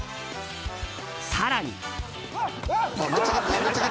更に。